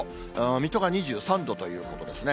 水戸が２３度ということですね。